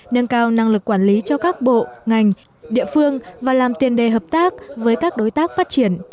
nâng cao năng lực quản lý cho các bộ ngành địa phương và làm tiền đề hợp tác với các đối tác phát triển